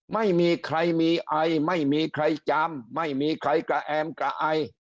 ไม่มีใครมีไอไม่มีใครจามไม่มีใครกระแอมกระไอ